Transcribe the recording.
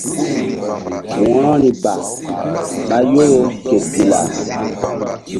Wo̧rori ba ɓa Yoro ke Dilla.